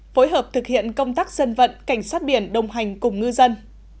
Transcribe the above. phối hợp thực hiện công tác dân vận cảnh sát biển đồng hành cùng ngư dân